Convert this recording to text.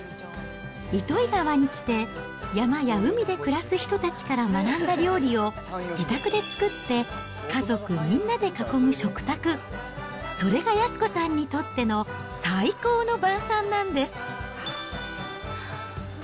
糸魚川に来て、山や海で暮らす人たちから学んだ料理を自宅で作って、家族みんなで囲む食卓、それが靖子さんにとっての最高の晩さんなんです。